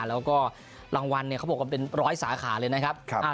แล้วก็รางวัลเนี่ยเขาบอกว่าเป็นร้อยสาขาเลยนะครับ